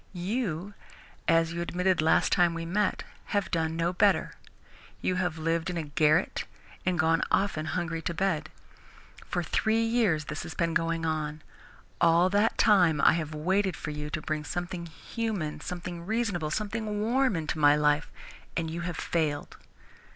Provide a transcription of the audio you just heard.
You, as you admitted last time we met, have done no better. You have lived in a garret and gone often hungry to bed. For three years this has been going on. All that time I have waited for you to bring something human, something reasonable, something warm into my life, and you have failed.